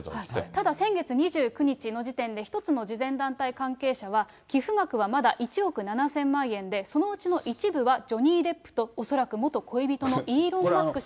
ただ、先月２９日の時点で、１つの慈善団体関係者は寄付額はまだ１億７０００万円で、そのうちの一部はジョニー・デップと、恐らく元恋人のイーロン・マスク